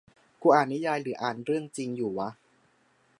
กูอ่านนิยายหรืออ่านเรื่องจริงอยู่วะ